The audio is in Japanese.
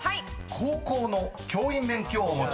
高校の教員免許をお持ち？］